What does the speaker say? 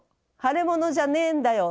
腫れ物じゃねえんだよ。